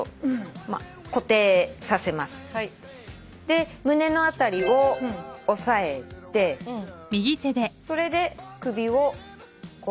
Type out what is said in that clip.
で胸の辺りを押さえてそれで首を右側に。